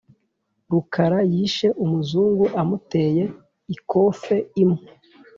rukara yishe umuzungu amuteye ikofe imwe